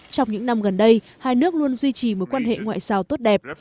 trong những năm gần đây hai nước luôn duy trì mối quan hệ ngoại giao tốt đẹp